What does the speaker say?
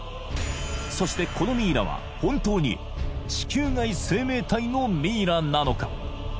そしてこのミイラは本当に地球外生命体のミイラなのか？